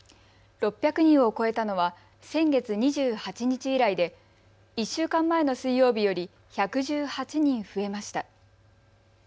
６００人を超えたのは先月２８日以来で１週間前の水曜日より１１８人増えました。